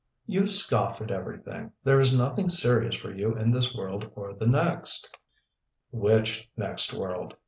"You scoff at everything. There is nothing serious for you in this world or the next." "Which next world?